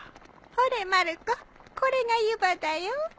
ほれまる子これが湯葉だよ。